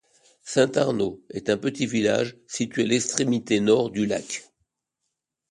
Saint-Arnaud est un petit village situé à l'extrémité nord du lac.